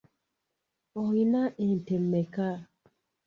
Oyina ente mmeka?